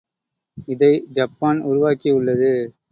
இதை ஜப்பான் உருவாக்கி உள்ளது.